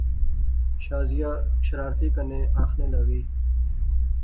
شازیہ شرارتی کنے آخنے لاغی